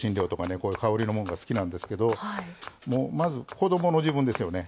こういう香りのもんが好きなんですけどまず子どもの時分ですよね。